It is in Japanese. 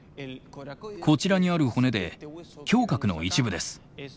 こちらにある骨で胸郭の一部です。